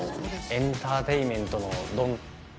エンターテインメントのドン。